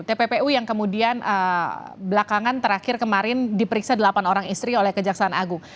tppu yang kemudian belakangan terakhir kemarin diperiksa delapan orang istri oleh kejaksaan agung